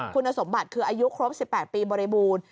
คุณสมบัติคืออายุครบ๑๘ปีบริบูรณ์